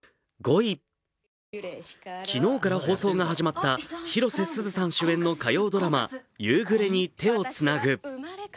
昨日から放送が始まった広瀬すずさん主演の火曜ドラマ「夕暮れに、手をつなぐ」